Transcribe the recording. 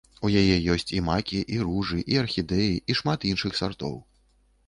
У яе ёсць і макі, і ружы, і архідэі, і шмат іншых сартоў.